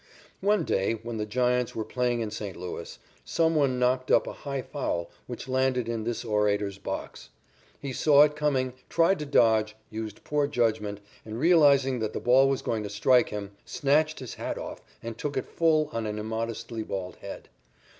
One day, when the Giants were playing in St. Louis, some one knocked up a high foul which landed in this orator's box. He saw it coming, tried to dodge, used poor judgment, and, realizing that the ball was going to strike him, snatched his hat off, and took it full on an immodestly bald head.